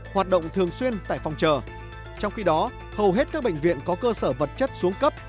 hoạt động thường xuyên tại phòng chờ trong khi đó hầu hết các bệnh viện có cơ sở vật chất xuống cấp